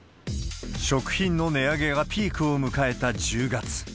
食品の値上げがピークを迎えた１０月。